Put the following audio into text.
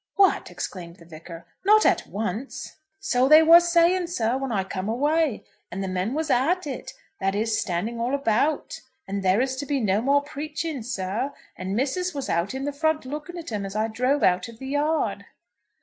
"What!" exclaimed the Vicar; "not at once?" "So they was saying, sir, when I come away. And the men was at it, that is, standing all about. And there is to be no more preaching, sir. And missus was out in the front looking at 'em as I drove out of the yard."